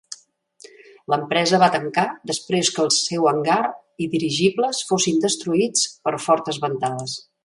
L'empresa va tancar després que el seu hangar i dirigibles fossin destruïts per fortes ventades.